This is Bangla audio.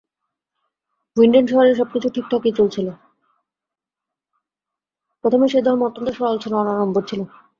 প্রথমে সেই ধর্ম অত্যন্ত সরল ছিল, অনাড়ম্বর ছিল।